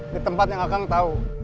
di tempat yang akang tahu